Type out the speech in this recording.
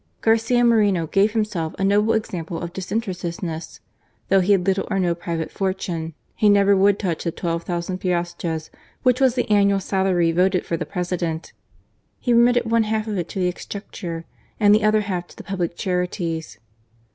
Garcia Moreno gave himself a noble example of disinter estedness. Though he had little or no private REFORMS. in fortune, be never would touch the twelve thousand piastres which was the annual salary voted for the President. He remitted one half of it to the Exchequer, and the other half to the public charities.